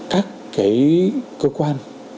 các cái cơ quan